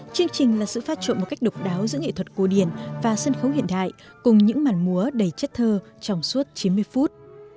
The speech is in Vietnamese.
chương trình là sự phát trộn một cách độc đáo giữa nghệ thuật cổ điển và sân khấu hiện đại cùng những màn múa đầy chất thơ trong suốt chín mươi phút